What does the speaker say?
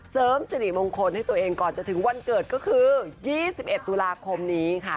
เสริมสิริมงคลให้ตัวเองก่อนจะถึงวันเกิดก็คือ๒๑ตุลาคมนี้ค่ะ